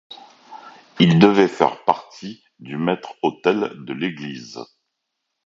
Il devait faire partie du maître-autel de l'église.